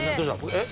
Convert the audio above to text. えっ？